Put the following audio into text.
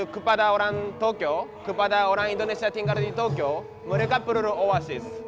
kepada orang tokyo kepada orang indonesia tinggal di tokyo mereka perlu oasis